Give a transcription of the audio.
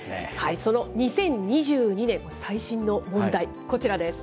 その２０２２年最新の問題、こちらです。